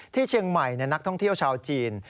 ที่เชียงใหม่นักท่องเที่ยวชาวจีน